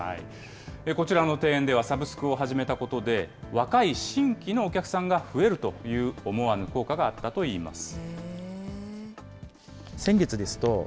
こちらの庭園ではサブスクを始めたことで、若い新規のお客さんが増えるという思わぬ効果があったといいます。